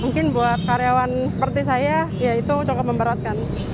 mungkin buat karyawan seperti saya ya itu cukup memberatkan